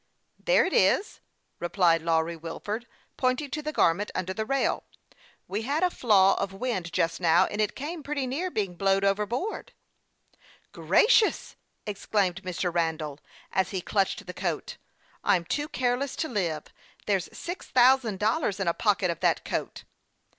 " There it is," replied Lawry Wilford, pointing to the garment under the rail. " We had a flaw of wind just now, and it came pretty near being blowed overboard." THE YOUXG PILOT OF LAKE CHAMPLAIN. 17 " Gracious !" exclaimed Mr. Randall, as he clutched the coat. " I'm too careless to live ! There's six thousand dollars in a pocket of that coat."